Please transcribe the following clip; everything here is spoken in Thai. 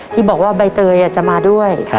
ที่บอกว่าใบเตยจะมาด้วย